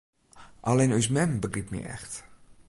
Allinne ús mem begrypt my echt.